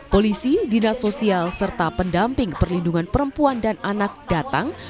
polisi dinas sosial serta pendamping perlindungan perempuan dan anak datang